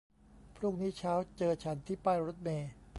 พรุ่งนี้เช้าเจอฉันที่ป้ายรถเมล์